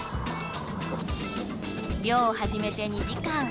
漁をはじめて２時間。